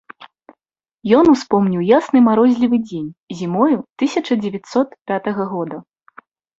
Ён успомніў ясны марозлівы дзень зімою тысяча дзевяцьсот пятага года.